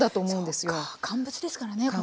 そうか乾物ですからね。